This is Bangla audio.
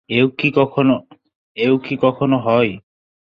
এও কি কখনো হয়!